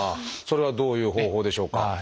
それはどういう方法でしょうか？